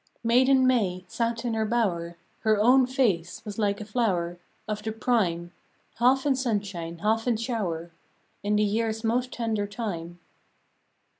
Maiden May sat in her bower; Her own face was like a flower Of the prime, Half in sunshine, half in shower, In the year's most tender time.